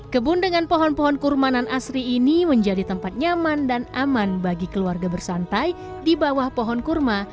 kebun dengan pohon pohon kurmanan asri ini menjadi tempat nyaman dan aman bagi keluarga bersantai di bawah pohon kurma